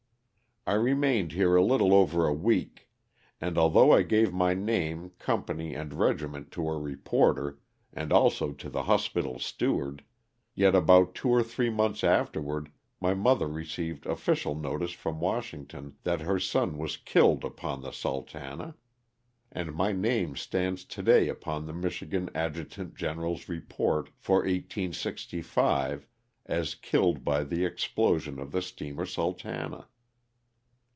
I remained here a little over a week, and although I gave my name, company and regiment to a reporter, and also to the hospital steward, yet about two or three months after ward my mother received official notice from Wash ington that her son was killed upon the ' Sultana;" and my name stands today upon the Michigan Adju tant General's Keport for 1865 as killed by the explo sion of the steamer "Sultana."